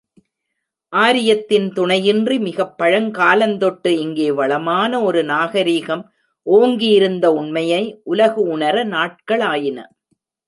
ஆரியத்தின் துணையின்றி மிகப்பழங்காலந்தொட்டு இங்கே வளமான ஒரு நாகரிகம் ஓங்கியிருந்த உண்மையை, உலகு உணர நாட்களாயின.